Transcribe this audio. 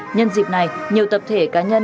nhân dịp này nhiều tập thể cá nhân